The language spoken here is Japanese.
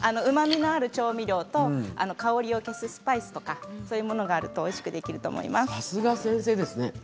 うまみがある調味料と香りを消すスパイスとかそういうものがあるとおいしいとさすが先生ですね。